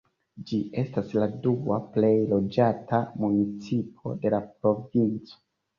Ĝi estas la dua plej loĝata municipo de la provinco.